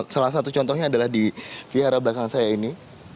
salah satu contohnya adalah di vihara belakang saya ini